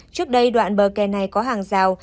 trước đây đoạn bờ kè này có hàng rào